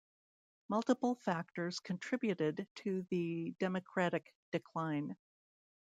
Multiple factors contributed to the Democratic decline.